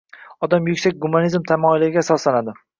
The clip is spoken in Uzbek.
Odamlar yuksak gumanizm tamoyillariga asoslanadi